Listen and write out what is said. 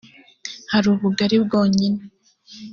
hari ubugari bwonyine.